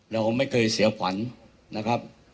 เราไม่เคยเสียขวัญนะครับ